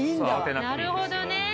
なるほどね。